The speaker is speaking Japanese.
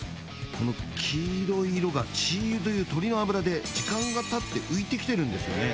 この黄色い色が鶏油という鶏の油で時間がたって浮いてきてるんですよね